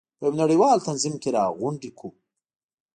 په یو نړیوال تنظیم کې راغونډې کړو.